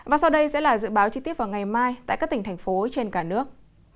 và sau đây sẽ là dự báo chi tiết vào ngày mai tại các tỉnh thành phố trên cả nước